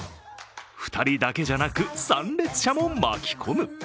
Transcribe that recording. ２人だけじゃなく、参列者も巻き込む。